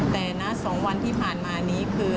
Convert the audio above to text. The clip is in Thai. แต่ณ๒วันที่ผ่านมานี้คือ